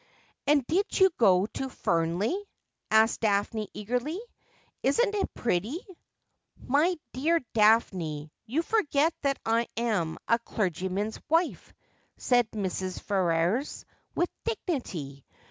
' And did you go to Ferney ?' asked Daphne eagerly. ' Isn't it pretty ?'' My dear Daphne, you forget that I am a clergyman's wife,' said Mrs. Ferrers, with dignity.